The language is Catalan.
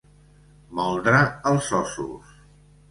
Moldre els ossos.